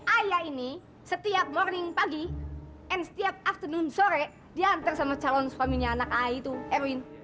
ayah ini setiap morning pagi and setiap aftunum sore diantar sama calon suaminya anak ayah itu erwin